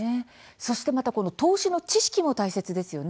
そして、またこの投資の知識も大切ですよね。